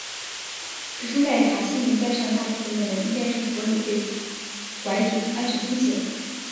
指出麦卡锡名单上大部分人是应该合理地被怀疑有安全风险。